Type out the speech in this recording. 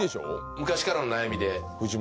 昔からの悩みで。